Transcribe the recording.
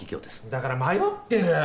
だから迷ってる。